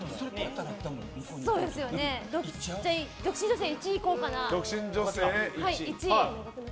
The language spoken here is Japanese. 独身女性の１位行こうかな。